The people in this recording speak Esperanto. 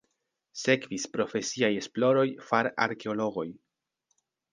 Sekvis profesiaj esploroj far arkeologoj.